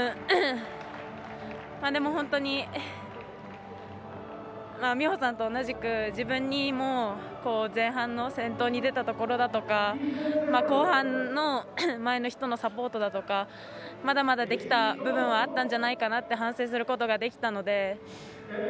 でも、本当に美帆さんと同じく自分にも前半の先頭に出たところだとか後半の前の人のサポートだとかまだまだ、できた部分はあったんじゃないかなと反省することができたので。